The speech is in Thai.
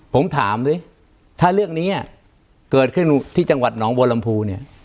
ผมถามดิถ้าเรื่องนี้เกิดขึ้นที่จังหวัดหนองบัวลำพูเนี่ย